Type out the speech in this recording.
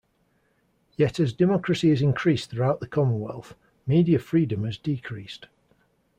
Yet as democracy has increased throughout the Commonwealth, media freedom has decreased.